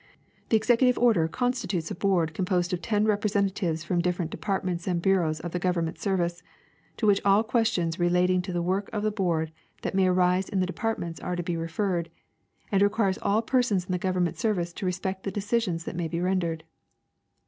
The executive order constitutes a board composed of ten representa tives from different departments and bureaus of the Government service, to which all questions relating to the work of the board that may arise in the departments are to be referred, and re quires all persons in the Government service to respect the decis ions that may be rendered.